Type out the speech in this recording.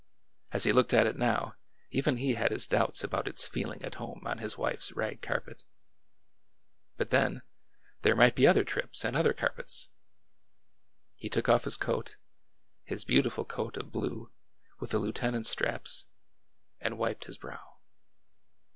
As he looked at it now, even he had his doubts about its feeling at home on his wife's rag carpet. But then, — there might be other trips and other carpets! He took oif his coat— his beautiful coat of blue, with the lieu tenant's straps— and wiped his brow.